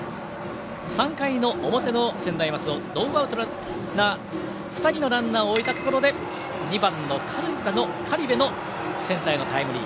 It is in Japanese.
３回の表の専大松戸ノーアウト、２人のランナーを置いたところで２番、苅部のセンターへのタイムリー。